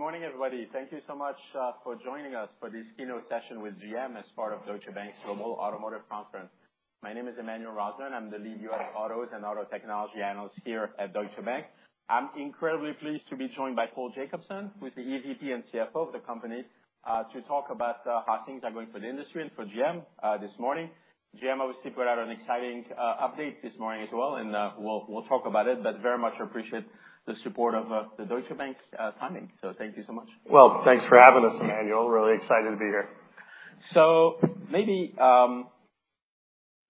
Good morning, everybody. Thank you so much for joining us for this keynote session with GM as part of Deutsche Bank's Global Automotive Conference. My name is Emmanuel Rosner. I'm the lead U.S. autos and auto technology analyst here at Deutsche Bank. I'm incredibly pleased to be joined by Paul Jacobson, who's the EVP and CFO of the company, to talk about how things are going for the industry and for GM this morning. GM obviously put out an exciting update this morning as well, and we'll talk about it, but very much appreciate the support of the Deutsche Bank funding. So thank you so much. Well, thanks for having us, Emmanuel. Really excited to be here. So maybe,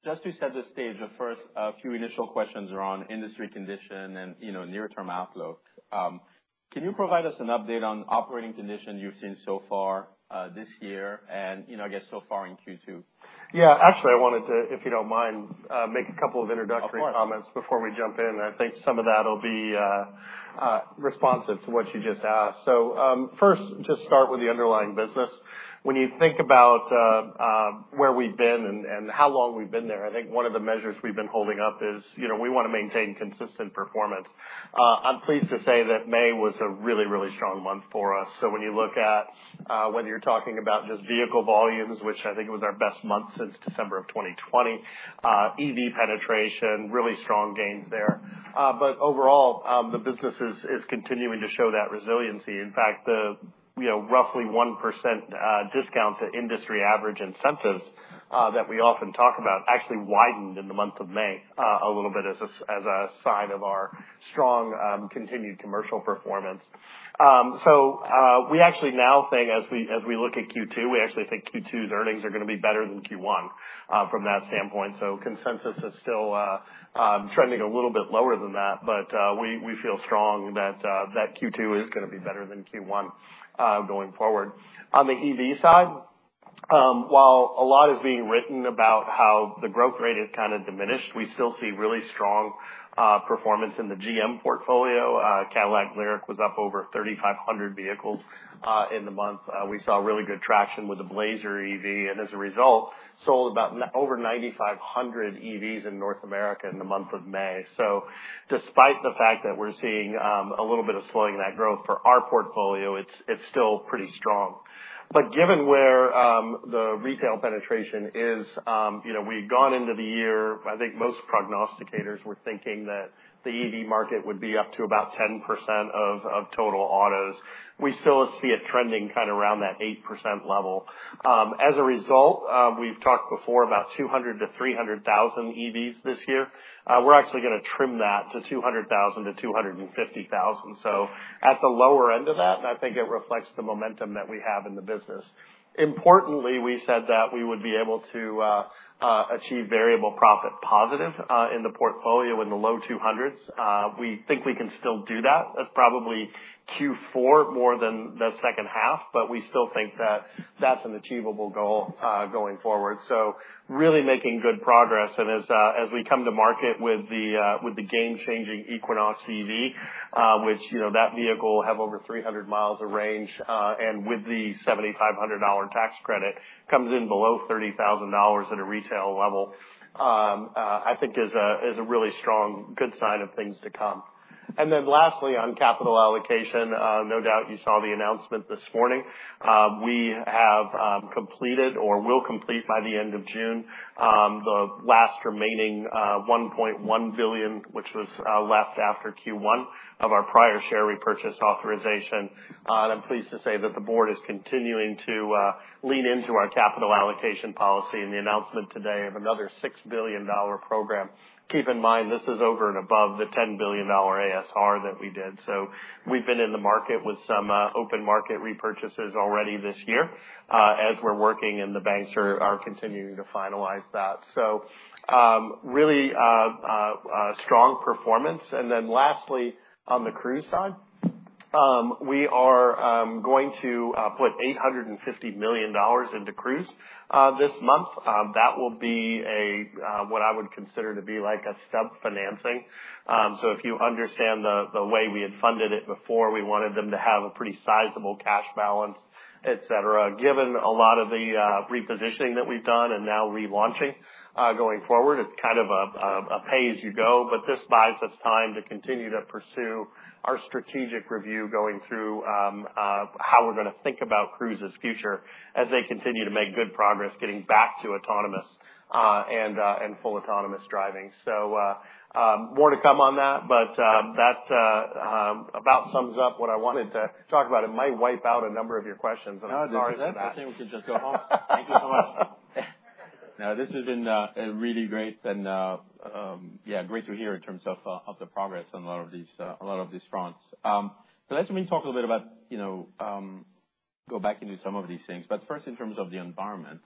just to set the stage, the first few initial questions around industry condition and, you know, near-term outlook. Can you provide us an update on operating conditions you've seen so far this year and, you know, I guess so far in Q2? Yeah. Actually, I wanted to, if you don't mind, make a couple of introductory comments before we jump in. Of course. I think some of that'll be responsive to what you just asked. So, first, just start with the underlying business. When you think about where we've been and how long we've been there, I think one of the measures we've been holding up is, you know, we wanna maintain consistent performance. I'm pleased to say that May was a really, really strong month for us. So when you look at whether you're talking about just vehicle volumes, which I think was our best month since December of 2020, EV penetration, really strong gains there. But overall, the business is continuing to show that resiliency. In fact, the, you know, roughly 1% discount to industry average incentives that we often talk about actually widened in the month of May, a little bit as a sign of our strong, continued commercial performance. So, we actually now think, as we look at Q2, we actually think Q2's earnings are gonna be better than Q1, from that standpoint. So consensus is still trending a little bit lower than that, but we feel strong that Q2 is gonna be better than Q1, going forward. On the EV side, while a lot is being written about how the growth rate has kinda diminished, we still see really strong performance in the GM portfolio. Cadillac LYRIQ was up over 3,500 vehicles in the month. We saw really good traction with the Blazer EV, and as a result, sold about 9,500 EVs in North America in the month of May. So despite the fact that we're seeing a little bit of slowing in that growth for our portfolio, it's still pretty strong. But given where the retail penetration is, you know, we've gone into the year. I think most prognosticators were thinking that the EV market would be up to about 10% of total autos. We still see it trending kinda around that 8% level. As a result, we've talked before about 200,000-300,000 EVs this year. We're actually gonna trim that to 200,000-250,000. So at the lower end of that, and I think it reflects the momentum that we have in the business. Importantly, we said that we would be able to achieve variable profit positive in the portfolio in the low 200s. We think we can still do that. That's probably Q4 more than the second half, but we still think that that's an achievable goal going forward. So really making good progress. As we come to market with the game-changing Equinox EV, which, you know, that vehicle will have over 300 miles of range, and with the $7,500 tax credit, comes in below $30,000 at a retail level, I think is a really strong good sign of things to come. And then lastly, on capital allocation, no doubt you saw the announcement this morning. We have completed or will complete by the end of June the last remaining $1.1 billion, which was left after Q1 of our prior share repurchase authorization. And I'm pleased to say that the board is continuing to lean into our capital allocation policy and the announcement today of another $6 billion program. Keep in mind, this is over and above the $10 billion ASR that we did. So we've been in the market with some open market repurchases already this year, as we're working and the banks are continuing to finalize that. So, really, strong performance. And then lastly, on the Cruise side, we are going to put $850 million into Cruise this month. That will be a what I would consider to be like a stub financing. So if you understand the way we had funded it before, we wanted them to have a pretty sizable cash balance, etc. Given a lot of the repositioning that we've done and now relaunching, going forward, it's kind of a pay as you go, but this buys us time to continue to pursue our strategic review going through how we're gonna think about Cruise's future as they continue to make good progress getting back to autonomous and full autonomous driving. So, more to come on that, but that about sums up what I wanted to talk about. It might wipe out a number of your questions. I'm sorry that. No, that's everything. We could just go home. Thank you so much. Now, this has been really great and, yeah, great to hear in terms of of the progress on a lot of these, a lot of these fronts. So let me talk a little bit about, you know, go back into some of these things, but first in terms of the environment,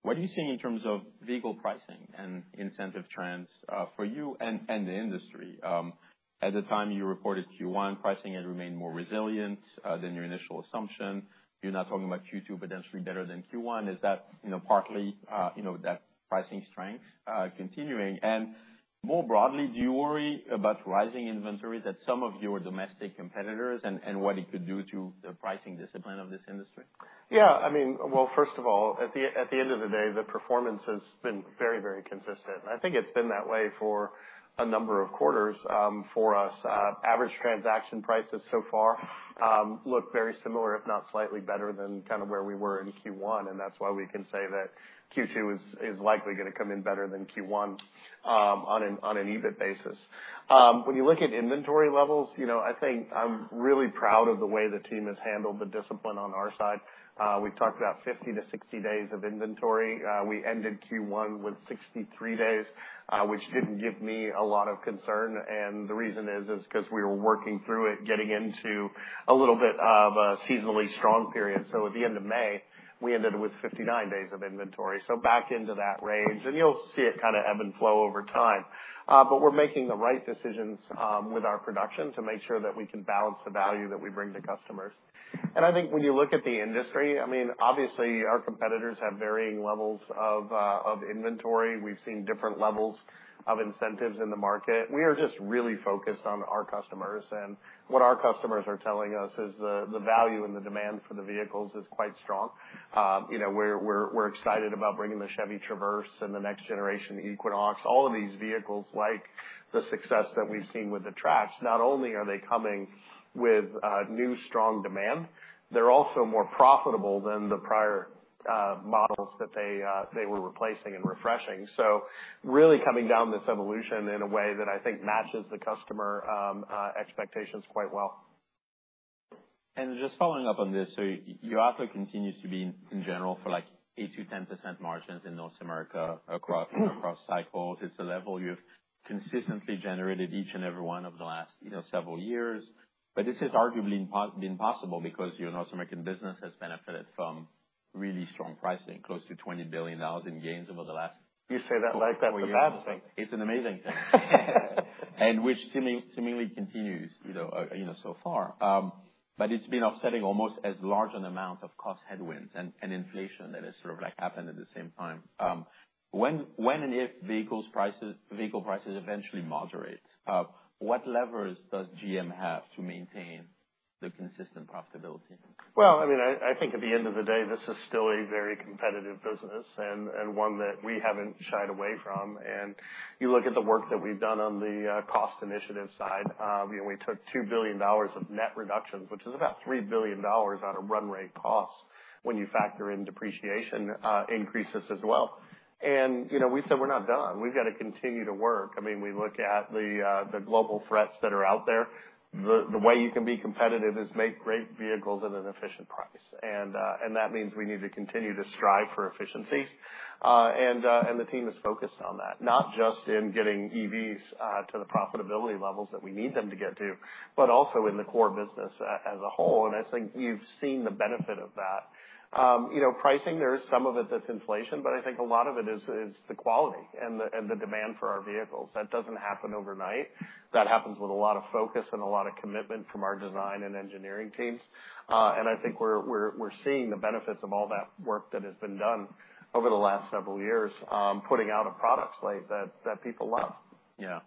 what are you seeing in terms of vehicle pricing and incentive trends, for you and, and the industry? At the time you reported Q1, pricing had remained more resilient than your initial assumption. You're not talking about Q2 potentially better than Q1. Is that, you know, partly, you know, that pricing strength continuing? And more broadly, do you worry about rising inventory that some of your domestic competitors and, and what it could do to the pricing discipline of this industry? Yeah. I mean, well, first of all, at the at the end of the day, the performance has been very, very consistent. And I think it's been that way for a number of quarters, for us. Average transaction prices so far look very similar, if not slightly better than kinda where we were in Q1, and that's why we can say that Q2 is, is likely gonna come in better than Q1, on an on an EBIT basis. When you look at inventory levels, you know, I think I'm really proud of the way the team has handled the discipline on our side. We've talked about 50-60 days of inventory. We ended Q1 with 63 days, which didn't give me a lot of concern. And the reason is, is 'cause we were working through it, getting into a little bit of a seasonally strong period. So at the end of May, we ended with 59 days of inventory. So back into that range. And you'll see it kinda ebb and flow over time. But we're making the right decisions with our production to make sure that we can balance the value that we bring to customers. And I think when you look at the industry, I mean, obviously, our competitors have varying levels of inventory. We've seen different levels of incentives in the market. We are just really focused on our customers. And what our customers are telling us is the value and the demand for the vehicles is quite strong. You know, we're excited about bringing the Chevy Traverse and the next generation Equinox, all of these vehicles like the success that we've seen with the Trax. Not only are they coming with new strong demand, they're also more profitable than the prior models that they were replacing and refreshing. So really coming down this evolution in a way that I think matches the customer expectations quite well. Just following up on this, so your outlook continues to be in general for like 8%-10% margins in North America across, across cycles. It's a level you've consistently generated each and every one of the last, you know, several years. But this has arguably been possible because your North American business has benefited from really strong pricing, close to $20 billion in gains over the last. You say that like that's a bad thing. It's an amazing thing. And which seemingly continues, you know, so far. But it's been offsetting almost as large an amount of cost headwinds and inflation that has sort of like happened at the same time. When and if vehicle prices eventually moderate, what levers does GM have to maintain the consistent profitability? Well, I mean, I think at the end of the day, this is still a very competitive business and one that we haven't shied away from. You look at the work that we've done on the cost initiative side, you know, we took $2 billion of net reductions, which is about $3 billion out of run rate costs when you factor in depreciation increases as well. You know, we said we're not done. We've gotta continue to work. I mean, we look at the global threats that are out there. The way you can be competitive is make great vehicles at an efficient price. And that means we need to continue to strive for efficiencies. The team is focused on that, not just in getting EVs to the profitability levels that we need them to get to, but also in the core business as a whole. And I think you've seen the benefit of that. You know, pricing, there is some of it that's inflation, but I think a lot of it is the quality and the demand for our vehicles. That doesn't happen overnight. That happens with a lot of focus and a lot of commitment from our design and engineering teams. And I think we're seeing the benefits of all that work that has been done over the last several years, putting out a product like that that people love. Yeah.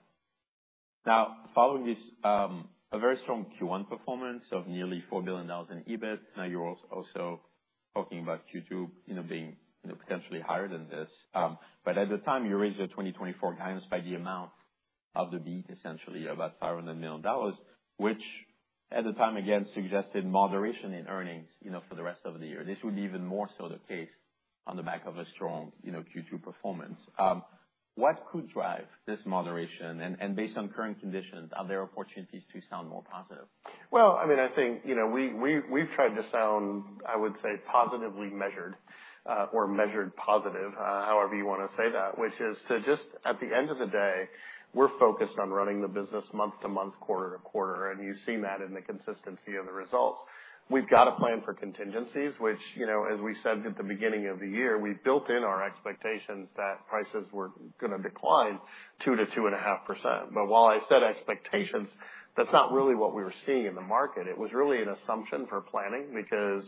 Now, following this, a very strong Q1 performance of nearly $4 billion in EBIT, now you're also talking about Q2, you know, being, you know, potentially higher than this, but at the time, you raised your 2024 guidance by the amount of the beat, essentially about $500 million, which at the time, again, suggested moderation in earnings, you know, for the rest of the year. This would be even more so the case on the back of a strong, you know, Q2 performance. What could drive this moderation? And based on current conditions, are there opportunities to sound more positive? Well, I mean, I think, you know, we've tried to sound, I would say, positively measured, or measured positive, however you wanna say that, which is to just at the end of the day, we're focused on running the business month to month, quarter to quarter. And you've seen that in the consistency of the results. We've gotta plan for contingencies, which, you know, as we said at the beginning of the year, we built in our expectations that prices were gonna decline 2%-2.5%. But while I said expectations, that's not really what we were seeing in the market. It was really an assumption for planning because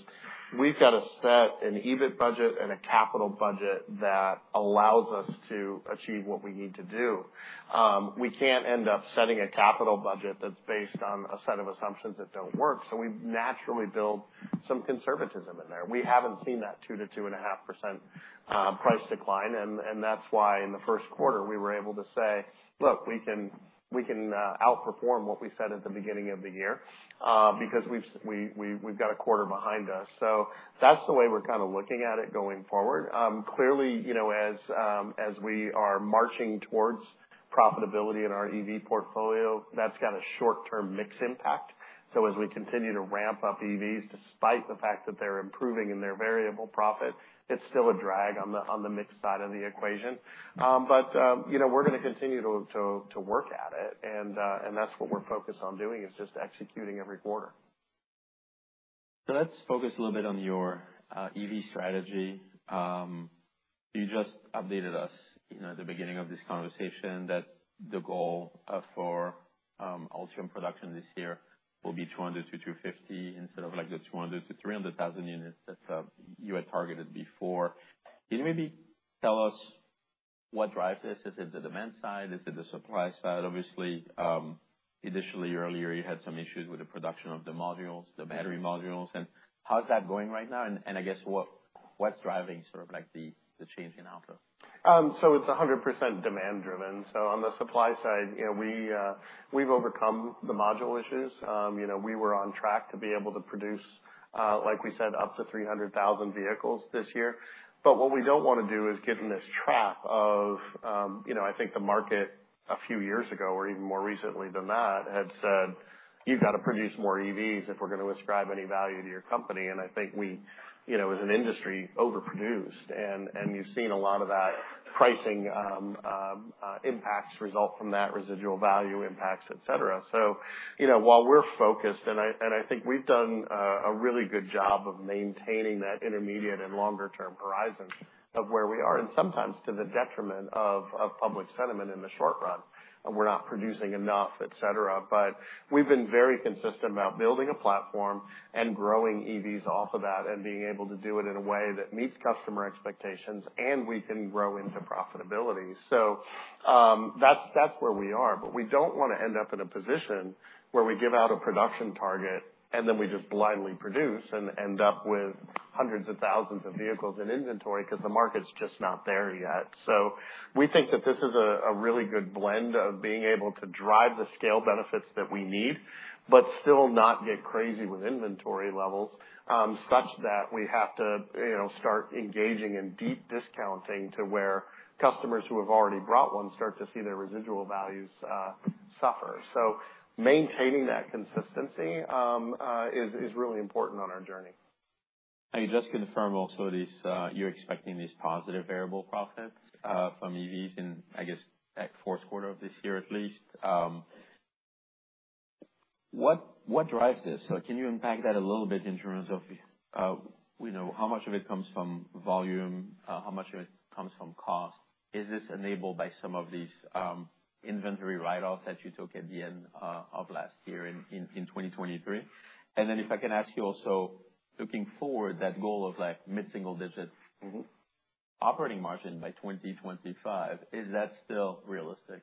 we've gotta set an EBIT budget and a capital budget that allows us to achieve what we need to do. We can't end up setting a capital budget that's based on a set of assumptions that don't work. So we naturally build some conservatism in there. We haven't seen that 2%-2.5% price decline. And that's why in the first quarter, we were able to say, "Look, we can outperform what we said at the beginning of the year," because we've got a quarter behind us. So that's the way we're kinda looking at it going forward. Clearly, you know, as we are marching towards profitability in our EV portfolio, that's got a short-term mixed impact. So as we continue to ramp up EVs, despite the fact that they're improving in their variable profit, it's still a drag on the mixed side of the equation. But you know, we're gonna continue to work at it. And that's what we're focused on doing is just executing every quarter. So let's focus a little bit on your EV strategy. You know, at the beginning of this conversation that the goal for Ultium production this year will be 200-250 instead of like the 200-300 thousand units that you had targeted before. Can you maybe tell us what drives this? Is it the demand side? Is it the supply side? Obviously, initially, earlier, you had some issues with the production of the modules, the battery modules. And how's that going right now? And I guess what's driving sort of like the change in outlook? So it's 100% demand-driven. So on the supply side, you know, we, we've overcome the module issues. You know, we were on track to be able to produce, like we said, up to 300,000 vehicles this year. But what we don't wanna do is get in this trap of, you know, I think the market a few years ago or even more recently than that had said, "You've gotta produce more EVs if we're gonna ascribe any value to your company." And I think we, you know, as an industry, overproduced. And, and you've seen a lot of that pricing, impacts result from that, residual value impacts, etc. So, you know, while we're focused and I and I think we've done, a really good job of maintaining that intermediate and longer-term horizon of where we are and sometimes to the detriment of, of public sentiment in the short run. We're not producing enough, etc. We've been very consistent about building a platform and growing EVs off of that and being able to do it in a way that meets customer expectations and we can grow into profitability. That's, that's where we are. We don't wanna end up in a position where we give out a production target and then we just blindly produce and end up with hundreds of thousands of vehicles in inventory 'cause the market's just not there yet. We think that this is a, a really good blend of being able to drive the scale benefits that we need but still not get crazy with inventory levels, such that we have to, you know, start engaging in deep discounting to where customers who have already bought one start to see their residual values suffer. Maintaining that consistency is really important on our journey. Now, you just confirmed also these. You're expecting these positive variable profits from EVs in, I guess, at fourth quarter of this year at least. What drives this? So can you unpack that a little bit in terms of, you know, how much of it comes from volume, how much of it comes from cost? Is this enabled by some of these inventory write-offs that you took at the end of last year in 2023? And then if I can ask you also, looking forward, that goal of like mid-single digit. Mm-hmm. Operating margin by 2025, is that still realistic?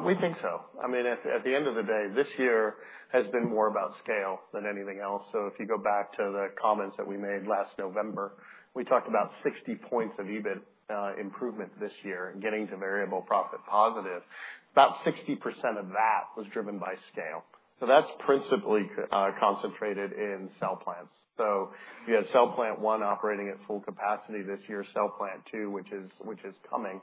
We think so. I mean, at the end of the day, this year has been more about scale than anything else. So if you go back to the comments that we made last November, we talked about 60 points of EBIT improvement this year and getting to variable profit positive. About 60% of that was driven by scale. So that's principally concentrated in cell plants. So you had cell plant one operating at full capacity this year, cell plant two, which is coming.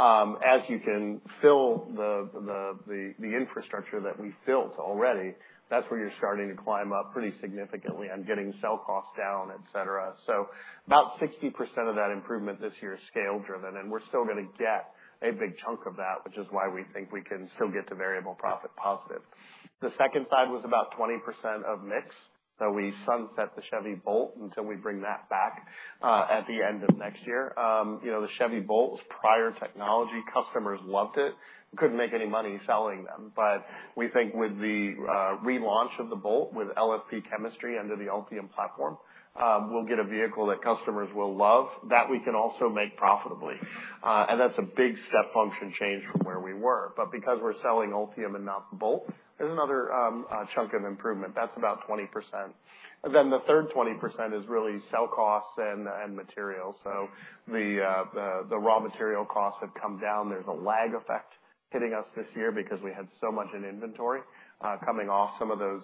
As you fill the infrastructure that we've built already, that's where you're starting to climb up pretty significantly on getting cell costs down, etc. So about 60% of that improvement this year is scale-driven. And we're still gonna get a big chunk of that, which is why we think we can still get to variable profit positive. The second side was about 20% of mix. So we sunset the Chevy Bolt until we bring that back, at the end of next year. You know, the Chevy Bolt's prior technology, customers loved it. Couldn't make any money selling them. But we think with the relaunch of the Bolt with LFP chemistry under the Ultium platform, we'll get a vehicle that customers will love that we can also make profitably. And that's a big step function change from where we were. But because we're selling Ultium and not the Bolt, there's another chunk of improvement. That's about 20%. And then the third 20% is really cell costs and materials. So the raw material costs have come down. There's a lag effect hitting us this year because we had so much in inventory, coming off some of those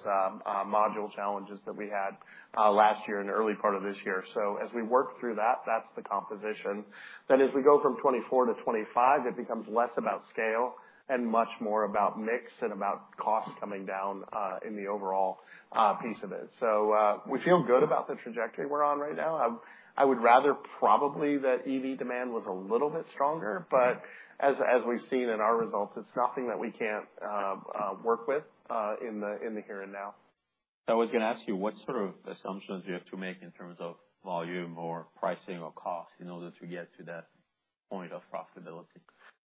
module challenges that we had last year and early part of this year. So as we work through that, that's the composition. Then as we go from 2024 to 2025, it becomes less about scale and much more about mix and about cost coming down in the overall piece of it. So we feel good about the trajectory we're on right now. I would rather probably that EV demand was a little bit stronger. But as we've seen in our results, it's nothing that we can't work with in the here and now. I was gonna ask you what sort of assumptions you have to make in terms of volume or pricing or cost in order to get to that point of profitability?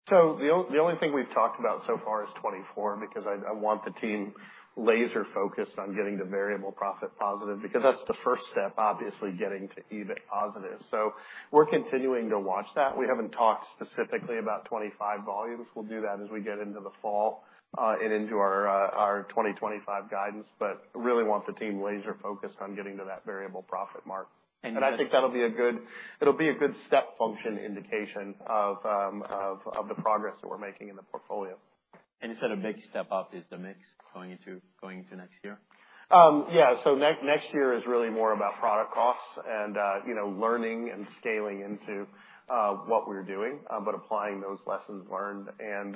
So the only thing we've talked about so far is 2024 because I want the team laser-focused on getting to variable profit positive because that's the first step, obviously, getting to EBIT positive. So we're continuing to watch that. We haven't talked specifically about 2025 volumes. We'll do that as we get into the fall, and into our 2025 guidance, but really want the team laser-focused on getting to that variable profit mark. And you said. I think that'll be a good step function indication of the progress that we're making in the portfolio. And you said a big step up is the mix going into next year? Yeah. So next year is really more about product costs and, you know, learning and scaling into what we're doing, but applying those lessons learned and,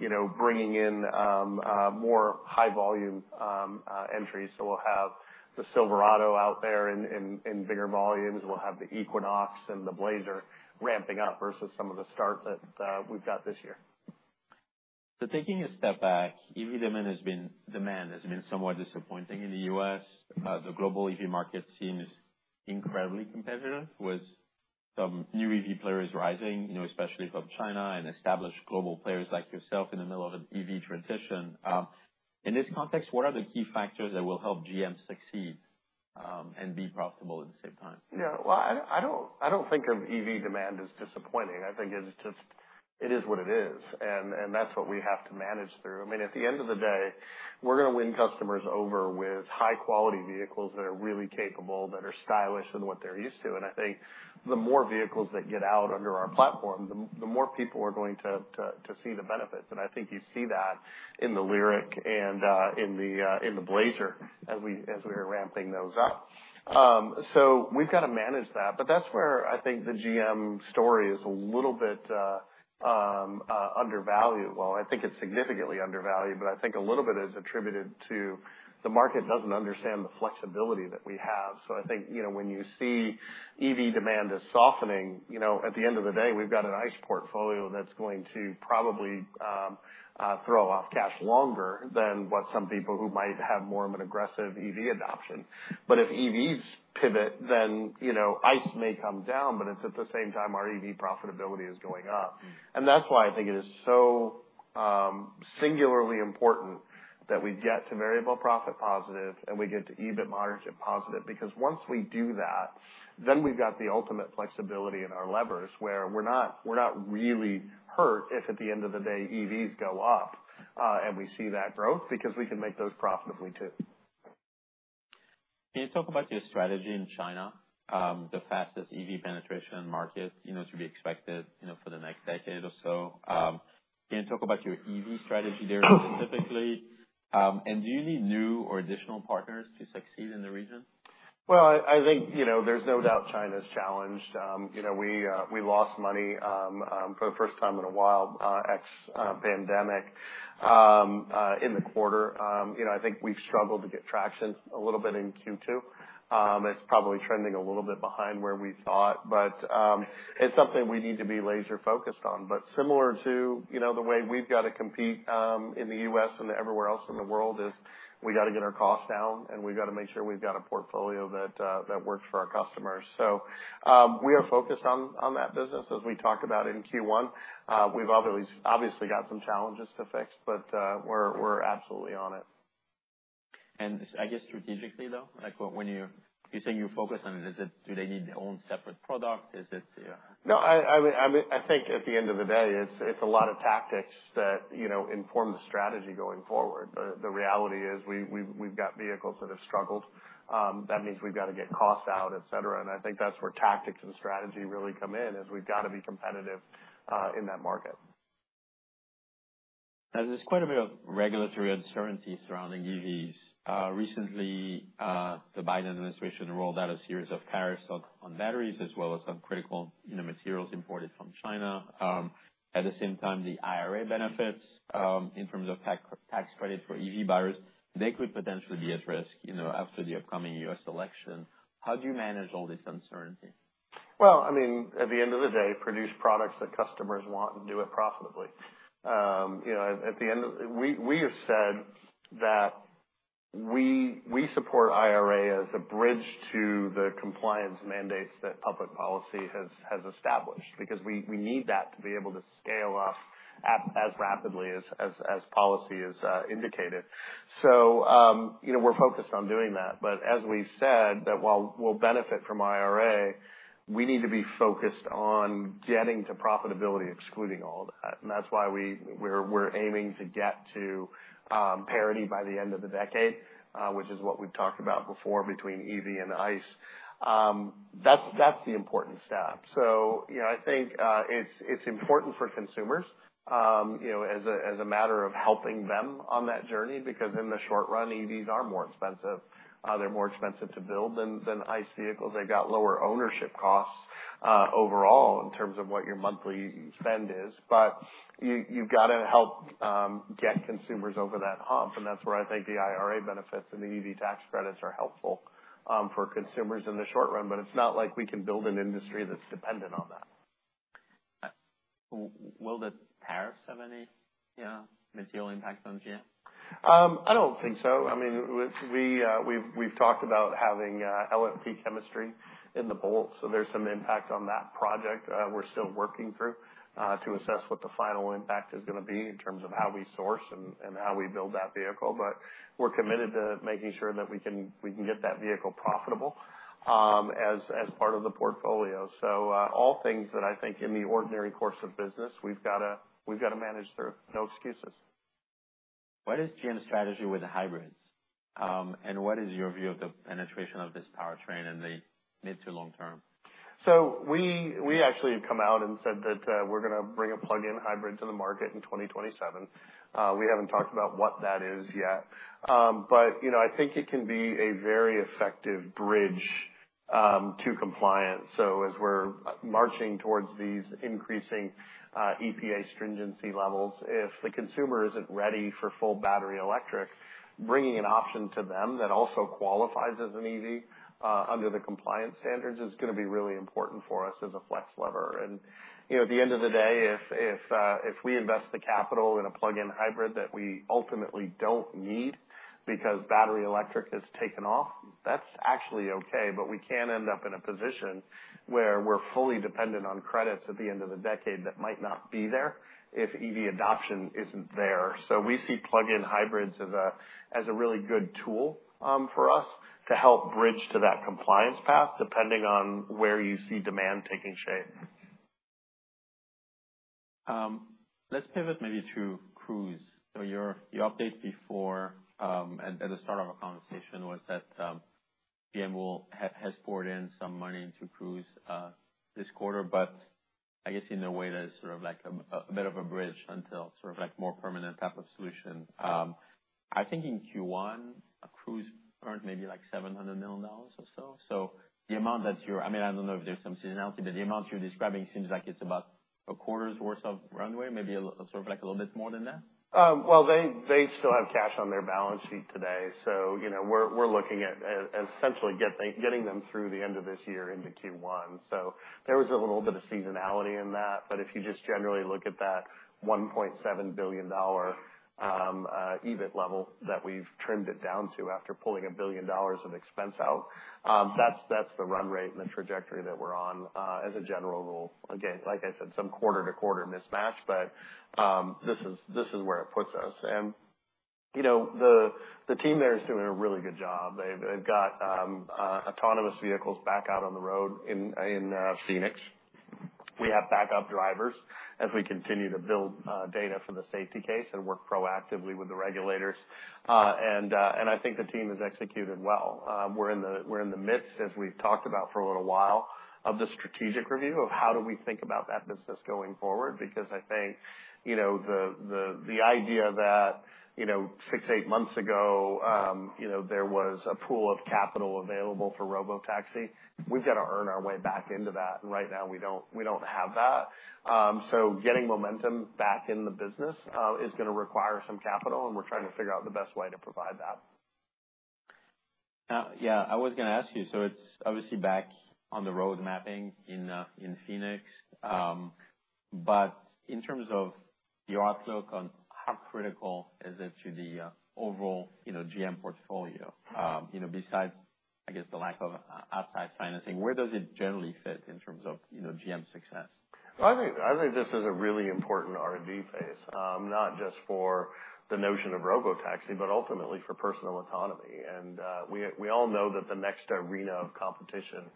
you know, bringing in more high-volume entries. So we'll have the Silverado out there in bigger volumes. We'll have the Equinox and the Blazer ramping up versus some of the start that we've got this year. So taking a step back, EV demand has been somewhat disappointing in the U.S. The global EV market seems incredibly competitive with some new EV players rising, you know, especially from China and established global players like yourself in the middle of an EV transition. In this context, what are the key factors that will help GM succeed, and be profitable at the same time? Yeah. Well, I don't think of EV demand as disappointing. I think it's just it is what it is. And that's what we have to manage through. I mean, at the end of the day, we're gonna win customers over with high-quality vehicles that are really capable, that are stylish than what they're used to. And I think the more vehicles that get out under our platform, the more people are going to see the benefits. And I think you see that in the LYRIQ and in the Blazer as we are ramping those up. So we've gotta manage that. But that's where I think the GM story is a little bit undervalued. Well, I think it's significantly undervalued, but I think a little bit is attributed to the market doesn't understand the flexibility that we have. So I think, you know, when you see EV demand is softening, you know, at the end of the day, we've got an ICE portfolio that's going to probably throw off cash longer than what some people who might have more of an aggressive EV adoption. But if EVs pivot, then, you know, ICE may come down, but it's at the same time our EV profitability is going up. And that's why I think it is so singularly important that we get to variable profit positive and we get to EBIT margin positive because once we do that, then we've got the ultimate flexibility in our levers where we're not really hurt if at the end of the day, EVs go up, and we see that growth because we can make those profitably too. Can you talk about your strategy in China, the fastest EV penetration market, you know, to be expected, you know, for the next decade or so? Can you talk about your EV strategy there specifically? And do you need new or additional partners to succeed in the region? Well, I think, you know, there's no doubt China's challenged. You know, we lost money, for the first time in a while, ex-pandemic, in the quarter. You know, I think we've struggled to get traction a little bit in Q2. It's probably trending a little bit behind where we thought. But it's something we need to be laser-focused on. But similar to, you know, the way we've gotta compete, in the U.S. and everywhere else in the world is we gotta get our costs down and we gotta make sure we've got a portfolio that works for our customers. So, we are focused on that business as we talk about in Q1. We've obviously got some challenges to fix, but we're absolutely on it. I guess strategically though, like, when you're saying you focus on it, is it do they need their own separate product? Is it, you know? No, I mean, I think at the end of the day, it's a lot of tactics that, you know, inform the strategy going forward. The reality is we've got vehicles that have struggled. That means we've gotta get costs out, etc. And I think that's where tactics and strategy really come in is we've gotta be competitive in that market. Now, there's quite a bit of regulatory uncertainty surrounding EVs. Recently, the Biden administration rolled out a series of tariffs on, on batteries as well as on critical, you know, materials imported from China. At the same time, the IRA benefits, in terms of tax, tax credit for EV buyers, they could potentially be at risk, you know, after the upcoming U.S. election. How do you manage all this uncertainty? Well, I mean, at the end of the day, produce products that customers want and do it profitably. You know, at the end of the day, we have said that we support IRA as a bridge to the compliance mandates that public policy has established because we need that to be able to scale up as rapidly as policy is indicated. So, you know, we're focused on doing that. But as we said, that while we'll benefit from IRA, we need to be focused on getting to profitability excluding all of that. And that's why we're aiming to get to parity by the end of the decade, which is what we've talked about before between EV and ICE. That's the important step. So, you know, I think, it's important for consumers, you know, as a matter of helping them on that journey because in the short run, EVs are more expensive. They're more expensive to build than ICE vehicles. They've got lower ownership costs, overall in terms of what your monthly spend is. But you've gotta help get consumers over that hump. And that's where I think the IRA benefits and the EV tax credits are helpful for consumers in the short run. But it's not like we can build an industry that's dependent on that. Will the tariffs have any, you know, material impact on GM? I don't think so. I mean, we've talked about having LFP chemistry in the Bolt. So there's some impact on that project. We're still working through to assess what the final impact is gonna be in terms of how we source and how we build that vehicle. But we're committed to making sure that we can get that vehicle profitable, as part of the portfolio. So, all things that I think in the ordinary course of business, we've gotta manage through. No excuses. What is GM's strategy with the hybrids? And what is your view of the penetration of this powertrain in the mid to long term? So we actually have come out and said that, we're gonna bring a plug-in hybrid to the market in 2027. We haven't talked about what that is yet. But, you know, I think it can be a very effective bridge to compliance. So as we're marching towards these increasing EPA stringency levels, if the consumer isn't ready for full battery electric, bringing an option to them that also qualifies as an EV under the compliance standards is gonna be really important for us as a flex lever. And, you know, at the end of the day, if we invest the capital in a plug-in hybrid that we ultimately don't need because battery electric has taken off, that's actually okay. But we can end up in a position where we're fully dependent on credits at the end of the decade that might not be there if EV adoption isn't there. So we see plug-in hybrids as a really good tool, for us to help bridge to that compliance path depending on where you see demand taking shape. Let's pivot maybe to Cruise. So your update before, at the start of our conversation was that, GM has poured in some money into Cruise, this quarter. But I guess in a way that is sort of like a bit of a bridge until sort of like more permanent type of solution. I think in Q1, Cruise earned maybe like $700 million or so. So the amount that you're, I mean, I don't know if there's some seasonality, but the amount you're describing seems like it's about a quarter's worth of runway, maybe a little sort of like a little bit more than that? Well, they still have cash on their balance sheet today. So, you know, we're looking at essentially getting them through the end of this year into Q1. So there was a little bit of seasonality in that. But if you just generally look at that $1.7 billion EBIT level that we've trimmed it down to after pulling $1 billion of expense out, that's the run rate and the trajectory that we're on, as a general rule. Again, like I said, some quarter-to-quarter mismatch, but this is where it puts us. And, you know, the team there is doing a really good job. They've got autonomous vehicles back out on the road in Phoenix. We have backup drivers as we continue to build data for the safety case and work proactively with the regulators. I think the team has executed well. We're in the midst, as we've talked about for a little while, of the strategic review of how do we think about that business going forward because I think, you know, the idea that, you know, six, eight months ago, you know, there was a pool of capital available for robotaxi, we've gotta earn our way back into that. And right now, we don't have that. So getting momentum back in the business is gonna require some capital, and we're trying to figure out the best way to provide that. Yeah. I was gonna ask you. So it's obviously back on the road mapping in Phoenix. But in terms of your outlook on how critical is it to the overall, you know, GM portfolio, you know, besides, I guess, the lack of outside financing, where does it generally fit in terms of, you know, GM's success? Well, I think I think this is a really important R&D phase, not just for the notion of robotaxi, but ultimately for personal autonomy. And, we, we all know that the next arena of competition in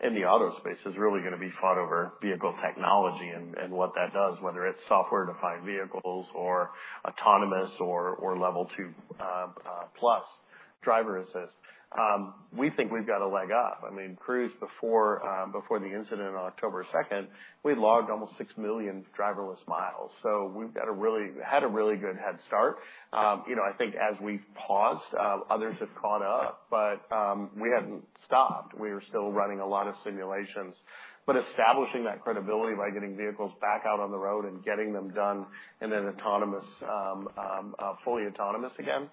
the auto space is really gonna be fought over vehicle technology and, and what that does, whether it's software-defined vehicles or autonomous or, or Level 2+ driver assist. We think we've gotta leg up. I mean, Cruise, before, before the incident on October 2nd, we logged almost 6 million driverless miles. So we've gotta really had a really good head start. You know, I think as we've paused, others have caught up. But, we hadn't stopped. We were still running a lot of simulations. But establishing that credibility by getting vehicles back out on the road and getting them done and then autonomous, fully autonomous again,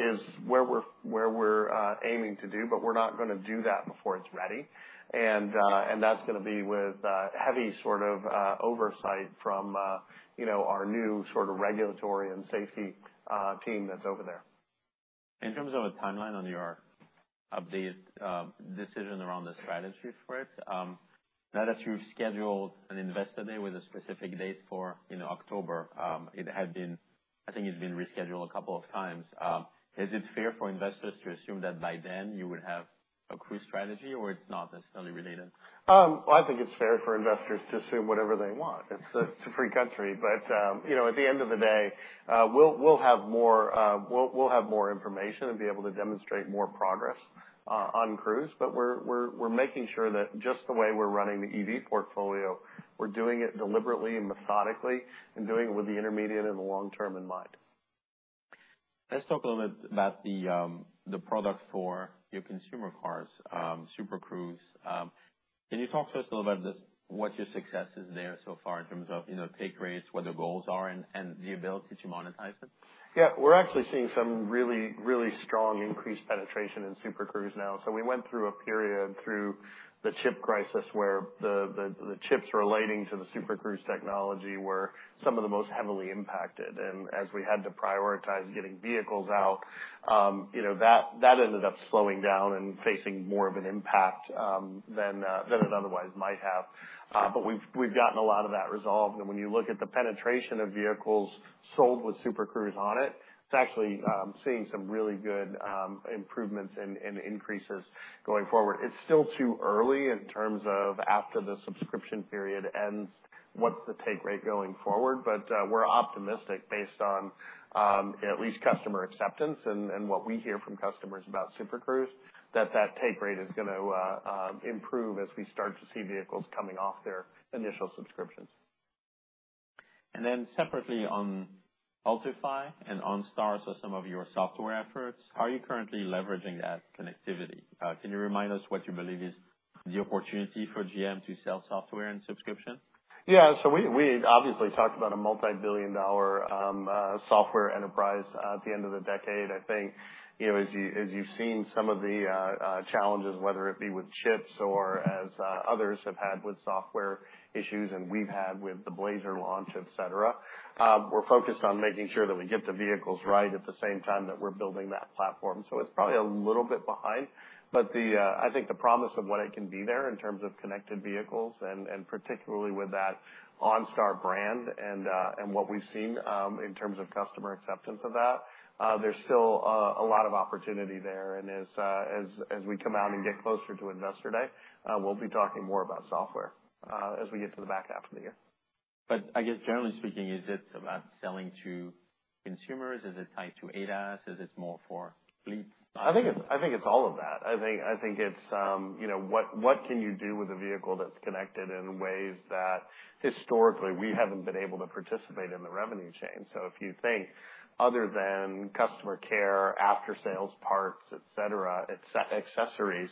is where we're aiming to do. But we're not gonna do that before it's ready. And that's gonna be with heavy sort of oversight from, you know, our new sort of regulatory and safety team that's over there. In terms of a timeline on your update, decision around the strategy for it, now that you've scheduled an investor day with a specific date for, you know, October, it had been I think it's been rescheduled a couple of times. Is it fair for investors to assume that by then you would have a Cruise strategy or it's not necessarily related? I think it's fair for investors to assume whatever they want. It's a free country. But, you know, at the end of the day, we'll have more information and be able to demonstrate more progress on Cruise. But we're making sure that just the way we're running the EV portfolio, we're doing it deliberately and methodically and doing it with the intermediate and the long term in mind. Let's talk a little bit about the product for your consumer cars, Super Cruise. Can you talk to us a little bit of the what your success is there so far in terms of, you know, take rates, what the goals are, and the ability to monetize it? Yeah. We're actually seeing some really, really strong increased penetration in Super Cruise now. So we went through a period through the chip crisis where the chips relating to the Super Cruise technology were some of the most heavily impacted. And as we had to prioritize getting vehicles out, you know, that ended up slowing down and facing more of an impact than it otherwise might have. But we've gotten a lot of that resolved. And when you look at the penetration of vehicles sold with Super Cruise on it, it's actually seeing some really good improvements and increases going forward. It's still too early in terms of after the subscription period ends, what's the take rate going forward. But, we're optimistic based on at least customer acceptance and what we hear from customers about Super Cruise, that take rate is gonna improve as we start to see vehicles coming off their initial subscriptions. Then separately on Ultifi and OnStar, so some of your software efforts, how are you currently leveraging that connectivity? Can you remind us what you believe is the opportunity for GM to sell software and subscription? Yeah. So we, we obviously talked about a multi-billion dollar software enterprise at the end of the decade. I think, you know, as you've seen some of the challenges, whether it be with chips or as others have had with software issues and we've had with the Blazer launch, etc., we're focused on making sure that we get the vehicles right at the same time that we're building that platform. So it's probably a little bit behind. But the, I think the promise of what it can be there in terms of connected vehicles and, and particularly with that OnStar brand and, and what we've seen in terms of customer acceptance of that, there's still a lot of opportunity there. And as we come out and get closer to Investor Day, we'll be talking more about software, as we get to the back half of the year. I guess generally speaking, is it about selling to consumers? Is it tied to ADAS? Is it more for fleets? I think it's all of that. I think it's, you know, what, what can you do with a vehicle that's connected in ways that historically we haven't been able to participate in the revenue chain? So if you think other than customer care, after-sales parts, etc., accessories,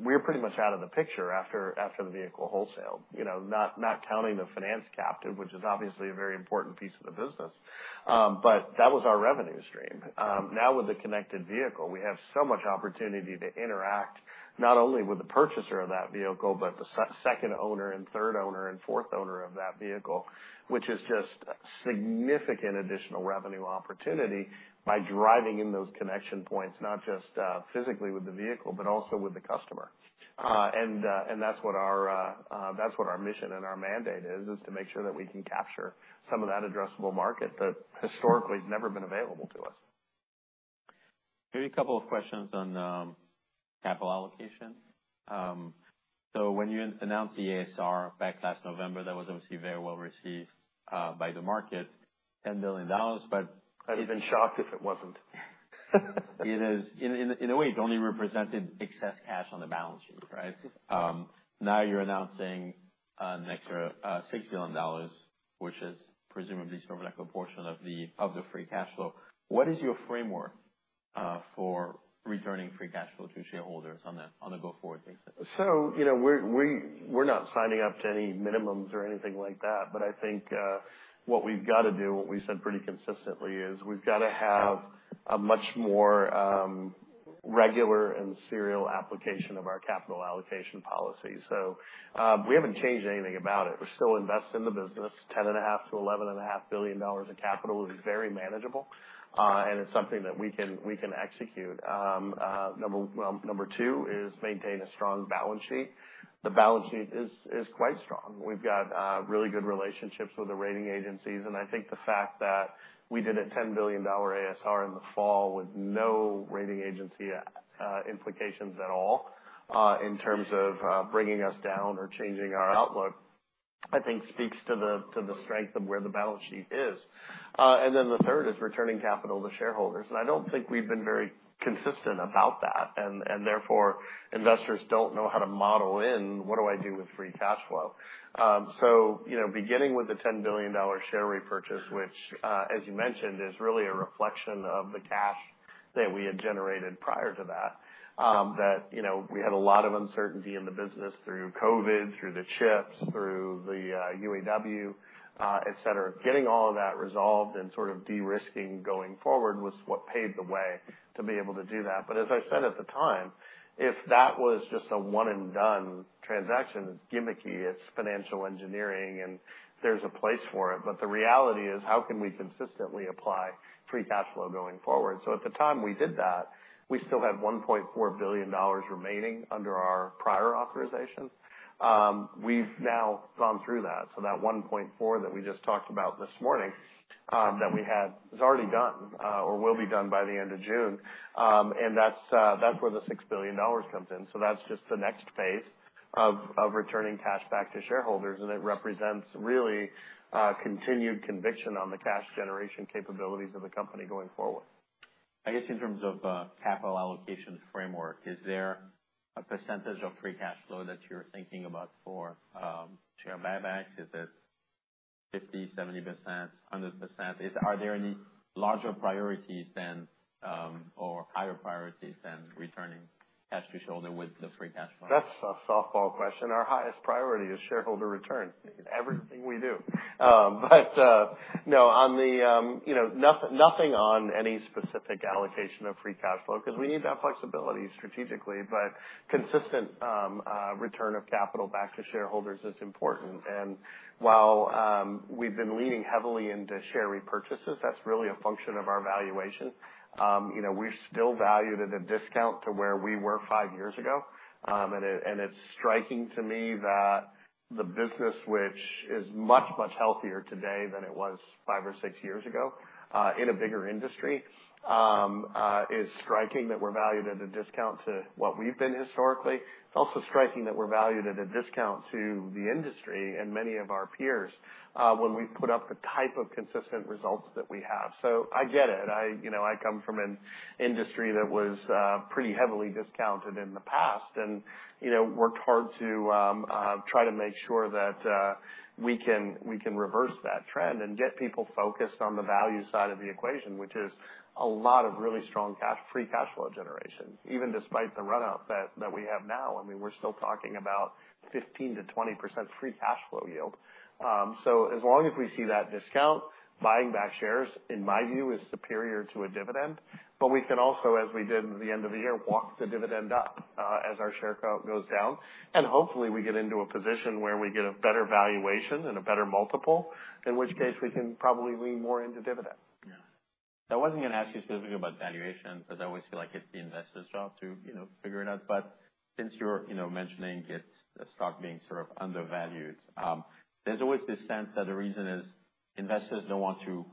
we're pretty much out of the picture after, after the vehicle wholesale, you know, not, not counting the finance captive, which is obviously a very important piece of the business. But that was our revenue stream. Now with the connected vehicle, we have so much opportunity to interact not only with the purchaser of that vehicle but the second owner and third owner and fourth owner of that vehicle, which is just a significant additional revenue opportunity by driving in those connection points, not just, physically with the vehicle but also with the customer. And that's what our mission and our mandate is to make sure that we can capture some of that addressable market that historically has never been available to us. Maybe a couple of questions on capital allocation. So when you announced the ASR back last November, that was obviously very well received by the market, $10 billion. But. I'd have been shocked if it wasn't. It is, in a way, it only represented excess cash on the balance sheet, right? Now you're announcing an extra $6 billion, which is presumably sort of like a portion of the free cash flow. What is your framework for returning free cash flow to shareholders on a go-forward basis? So, you know, we're not signing up to any minimums or anything like that. But I think, what we've gotta do, what we've said pretty consistently, is we've gotta have a much more regular and serial application of our capital allocation policy. So, we haven't changed anything about it. We're still invested in the business. $10.5-$11.5 billion of capital is very manageable, and it's something that we can execute. Well, number two is maintain a strong balance sheet. The balance sheet is quite strong. We've got really good relationships with the rating agencies. And I think the fact that we did a $10 billion ASR in the fall with no rating agency implications at all, in terms of bringing us down or changing our outlook, I think speaks to the strength of where the balance sheet is. and then the third is returning capital to shareholders. I don't think we've been very consistent about that. Therefore, investors don't know how to model in, "What do I do with free cash flow?" So, you know, beginning with the $10 billion share repurchase, which, as you mentioned, is really a reflection of the cash that we had generated prior to that, that, you know, we had a lot of uncertainty in the business through COVID, through the chips, through the UAW, etc. Getting all of that resolved and sort of de-risking going forward was what paved the way to be able to do that. But as I said at the time, if that was just a one-and-done transaction, it's gimmicky. It's financial engineering, and there's a place for it. But the reality is, how can we consistently apply free cash flow going forward? So at the time we did that, we still had $1.4 billion remaining under our prior authorization. We've now gone through that. So that 1.4 that we just talked about this morning, that we had is already done, or will be done by the end of June. And that's, that's where the $6 billion comes in. So that's just the next phase of, of returning cash back to shareholders. And it represents really, continued conviction on the cash generation capabilities of the company going forward. I guess in terms of capital allocation framework, is there a percentage of free cash flow that you're thinking about for share buybacks? Is it 50, 70%, 100%? Is there any larger priorities than or higher priorities than returning cash to shareholder with the free cash flow? That's a softball question. Our highest priority is shareholder returns. Everything we do, but no, on the, you know, nothing on any specific allocation of free cash flow because we need that flexibility strategically. But consistent return of capital back to shareholders is important. And while we've been leaning heavily into share repurchases, that's really a function of our valuation. You know, we're still valued at a discount to where we were five years ago. And it's striking to me that the business, which is much, much healthier today than it was five or six years ago, in a bigger industry, is striking that we're valued at a discount to what we've been historically. It's also striking that we're valued at a discount to the industry and many of our peers, when we put up the type of consistent results that we have. So I get it. You know, I come from an industry that was pretty heavily discounted in the past and, you know, worked hard to try to make sure that we can reverse that trend and get people focused on the value side of the equation, which is a lot of really strong cash free cash flow generation, even despite the run-up that we have now. I mean, we're still talking about 15%-20% free cash flow yield. So as long as we see that discount, buying back shares, in my view, is superior to a dividend. But we can also, as we did at the end of the year, walk the dividend up, as our share goes down. And hopefully, we get into a position where we get a better valuation and a better multiple, in which case we can probably lean more into dividend. Yeah. I wasn't gonna ask you specifically about valuation because I always feel like it's the investor's job to, you know, figure it out. But since you're, you know, mentioning it, the stock being sort of undervalued, there's always this sense that the reason is investors don't want to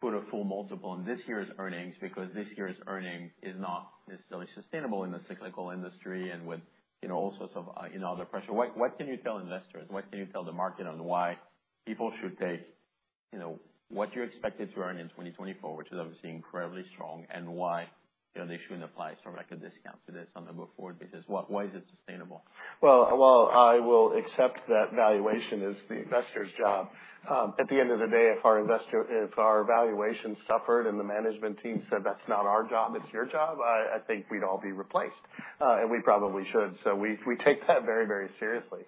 put a full multiple in this year's earnings because this year's earnings is not necessarily sustainable in the cyclical industry and with, you know, all sorts of, you know, other pressure. What, what can you tell investors? What can you tell the market on why people should take, you know, what you expected to earn in 2024, which is obviously incredibly strong, and why, you know, they shouldn't apply sort of like a discount to this on a go-forward basis? What, why is it sustainable? Well, well, I will accept that valuation is the investor's job. At the end of the day, if our investor if our valuation suffered and the management team said, "That's not our job, it's your job," I, I think we'd all be replaced. And we probably should. So we, we take that very, very seriously,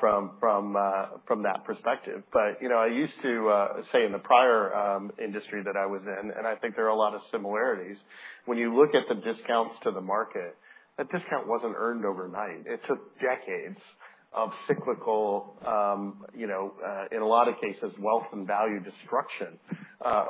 from, from, from that perspective. But, you know, I used to, say in the prior, industry that I was in, and I think there are a lot of similarities. When you look at the discounts to the market, that discount wasn't earned overnight. It took decades of cyclical, you know, in a lot of cases, wealth and value destruction,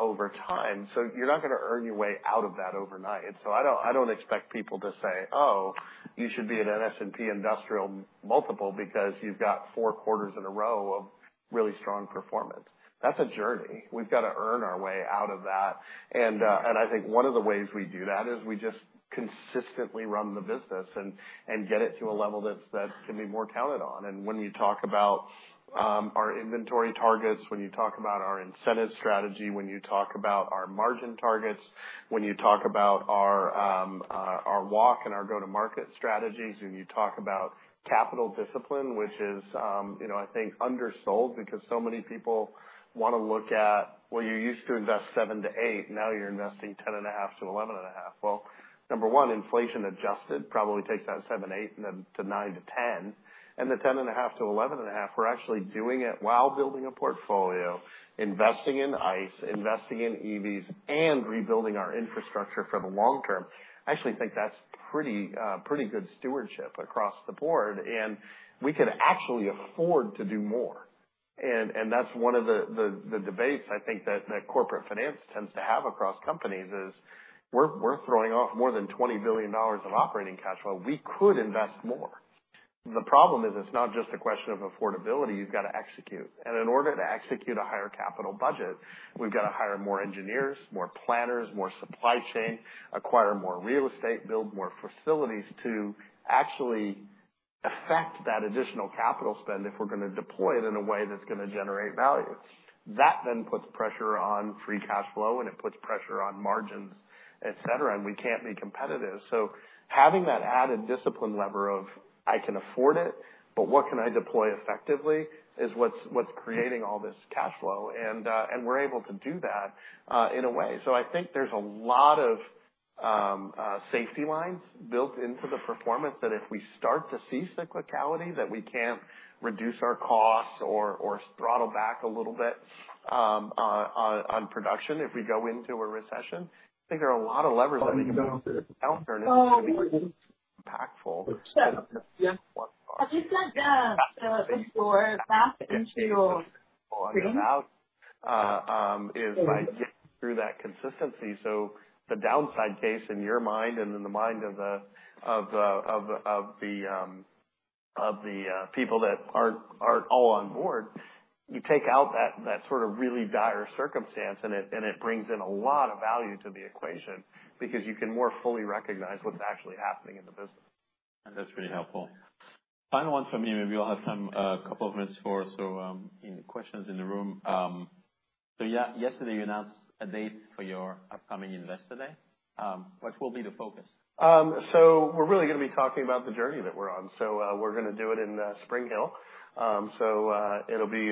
over time. So you're not gonna earn your way out of that overnight. So I don't I don't expect people to say, "Oh, you should be at an S&P Industrial multiple because you've got four quarters in a row of really strong performance." That's a journey. We've gotta earn our way out of that. And, and I think one of the ways we do that is we just consistently run the business and, and get it to a level that's that can be more counted on. And when you talk about, our inventory targets, when you talk about our incentive strategy, when you talk about our margin targets, when you talk about our, our walk and our go-to-market strategies, when you talk about capital discipline, which is, you know, I think undersold because so many people wanna look at, "Well, you used to invest 7-8. Now you're investing 10.5-11.5." Well, number one, inflation adjusted probably takes that 7, 8, and then to 9-10. And the 10.5-11.5, we're actually doing it while building a portfolio, investing in ICE, investing in EVs, and rebuilding our infrastructure for the long term. I actually think that's pretty, pretty good stewardship across the board. And we could actually afford to do more. And that's one of the debates I think that corporate finance tends to have across companies is, "We're throwing off more than $20 billion of operating cash flow. We could invest more." The problem is it's not just a question of affordability. You've gotta execute. And in order to execute a higher capital budget, we've gotta hire more engineers, more planners, more supply chain, acquire more real estate, build more facilities to actually affect that additional capital spend if we're gonna deploy it in a way that's gonna generate value. That then puts pressure on free cash flow, and it puts pressure on margins, etc., and we can't be competitive. So having that added discipline lever of, "I can afford it, but what can I deploy effectively?" is what's creating all this cash flow. And we're able to do that, in a way. So I think there's a lot of safety lines built into the performance that if we start to see cyclicality, that we can't reduce our costs or throttle back a little bit on production if we go into a recession. I think there are a lot of levers that we can downturn. On the out, is by getting through that consistency. So the downside case in your mind and in the mind of the people that aren't all on board, you take out that sort of really dire circumstance, and it brings in a lot of value to the equation because you can more fully recognize what's actually happening in the business. That's really helpful. Final one from me. Maybe you'll have some couple of minutes or so for questions in the room. Yesterday you announced a date for your upcoming Investor Day. What will be the focus? So we're really gonna be talking about the journey that we're on. So, we're gonna do it in Spring Hill. So, it'll be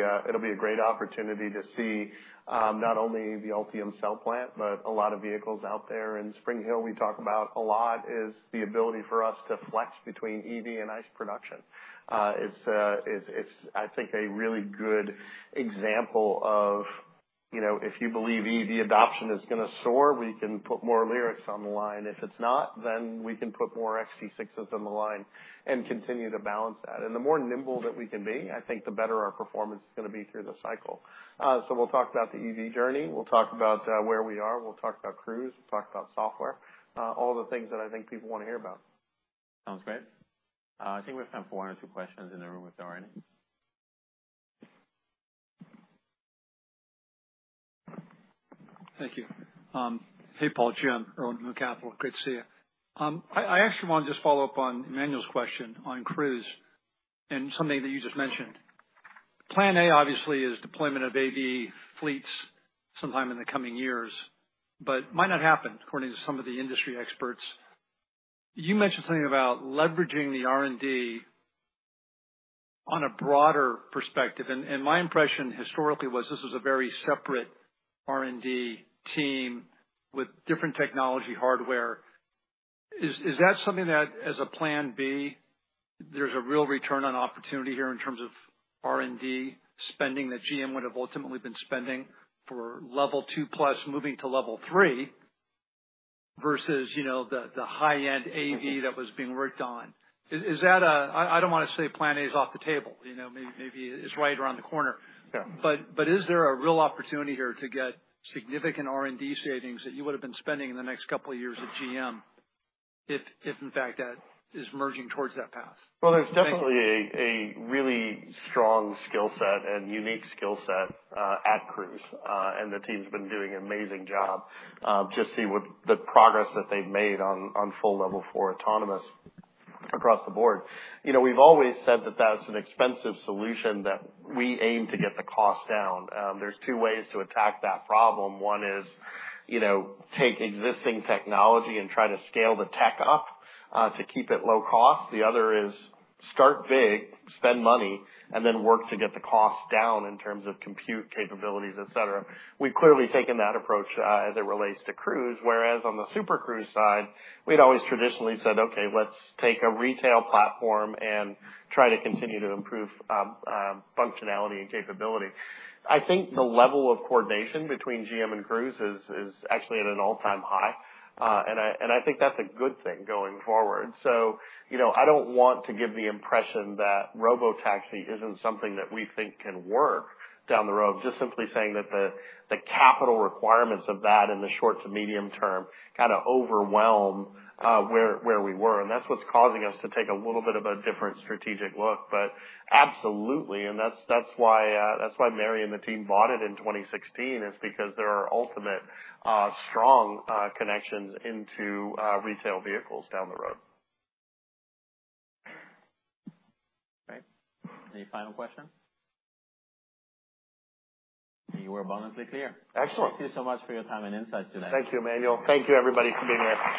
a great opportunity to see, not only the Ultium Cell Plant but a lot of vehicles out there. And Spring Hill, we talk about a lot, is the ability for us to flex between EV and ICE production. It's, I think, a really good example of, you know, if you believe EV adoption is gonna soar, we can put more LYRIQ on the line. If it's not, then we can put more XT6s on the line and continue to balance that. And the more nimble that we can be, I think the better our performance is gonna be through the cycle. So we'll talk about the EV journey. We'll talk about where we are. We'll talk about Cruise. We'll talk about software, all the things that I think people wanna hear about. Sounds great. I think we have time for one or two questions in the room if there are any. Thank you. Hey, Paul. Jim from Moon Capital. Great to see you. I actually wanna just follow up on Emmanuel's question on Cruise and something that you just mentioned. Plan A, obviously, is deployment of AV fleets sometime in the coming years, but might not happen, according to some of the industry experts. You mentioned something about leveraging the R&D on a broader perspective. And my impression historically was this was a very separate R&D team with different technology hardware. Is that something that, as a Plan B, there's a real return on opportunity here in terms of R&D spending that GM would have ultimately been spending for Level 2+, moving to Level 3 versus, you know, the high-end AV that was being worked on? Is that, I don't wanna say Plan A is off the table, you know? Maybe, maybe it's right around the corner. Yeah. But, is there a real opportunity here to get significant R&D savings that you would have been spending in the next couple of years at GM if, in fact, that is merging towards that path? Well, there's definitely a really strong skill set and unique skill set at Cruise. And the team's been doing an amazing job to see the progress that they've made on full Level 4 autonomous across the board. You know, we've always said that that's an expensive solution that we aim to get the cost down. There's two ways to attack that problem. One is, you know, take existing technology and try to scale the tech up to keep it low cost. The other is start big, spend money, and then work to get the cost down in terms of compute capabilities, etc. We've clearly taken that approach, as it relates to Cruise, whereas on the Super Cruise side, we'd always traditionally said, "Okay, let's take a retail platform and try to continue to improve functionality and capability." I think the level of coordination between GM and Cruise is actually at an all-time high, and I think that's a good thing going forward. So, you know, I don't want to give the impression that robotaxi isn't something that we think can work down the road, just simply saying that the capital requirements of that in the short to medium term kinda overwhelm where we were. And that's what's causing us to take a little bit of a different strategic look. But absolutely. And that's, that's why, that's why Mary and the team bought it in 2016 is because there are Ultium, strong, connections into, retail vehicles down the road. Great. Any final questions? You were abundantly clear. Excellent. Thank you so much for your time and insights today. Thank you, Emmanuel. Thank you, everybody, for being here.